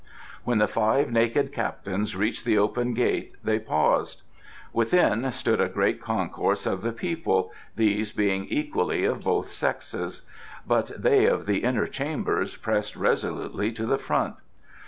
When the five naked captains reached the open gate they paused. Within stood a great concourse of the people, these being equally of both sexes, but they of the inner chambers pressing resolutely to the front.